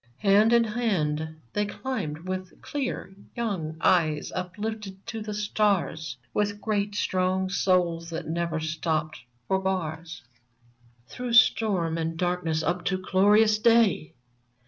— Hand in hand they climbed With clear, young eyes uplifted to the stars ; With great, strong souls that never stopped for bars. VERMONT 119 Through storm and darkness up to glorious day